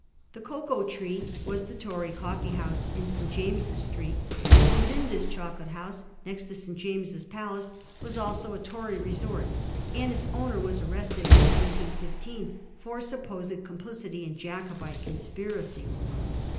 The * Cocoa Tree^ was the Tory coflfee house in St. James's Street Ozinda's chocolate house, next to St. James's Palace, was also a Tory resort, and its owner was arrested in 1715 for supposed complicity in Jacobite con spiracy.